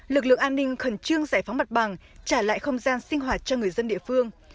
lực lượng an ninh khẩn trương giải phóng mặt bằng trả lại không gian sinh hoạt cho người dân địa phương